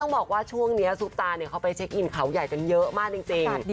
บอกว่าช่วงนี้ซุปตาเขาไปเช็คอินเขาใหญ่กันเยอะมากจริง